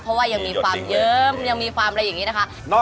เป็น๒๐นาทีแล้วก็มากลับทีอย่างนี้เหรอแม่